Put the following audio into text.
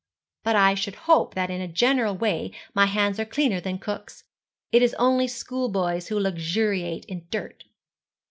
But I should hope that in a general way my hands are cleaner than cook's. It is only schoolboys who luxuriate in dirt.'